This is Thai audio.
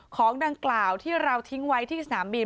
ของดังกล่าวที่เราทิ้งไว้ที่สนามบิน